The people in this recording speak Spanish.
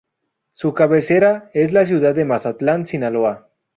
Su cabecera es la ciudad de Mazatlán, Sinaloa.